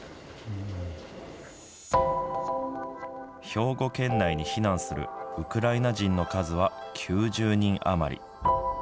兵庫県内に避難するウクライナ人の数は９０人余り。